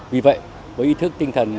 vì vậy với ý thức tinh thần